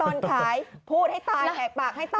ตอนขายพูดให้ตายแหกปากให้ตาย